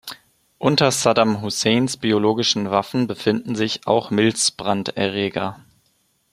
Unter Saddam Husseins biologischen Waffen befinden sich auch Milzbranderreger.